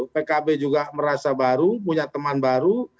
pkb juga merasa baru punya teman baru